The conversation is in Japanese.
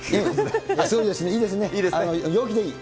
すごいですね、いいですね、陽気でいい。